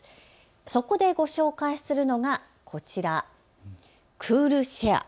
そこでご紹介するのがこちら、クールシェア。